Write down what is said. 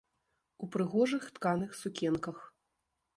У прыгожых тканых сукенках.